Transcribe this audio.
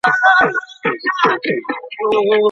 بندونه بې برېښنا نه وي.